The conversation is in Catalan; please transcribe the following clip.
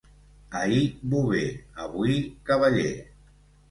Ahir bover, avui cavaller.